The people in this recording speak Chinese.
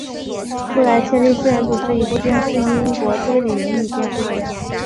布莱切利四人组是一部电视英国推理迷你电视剧。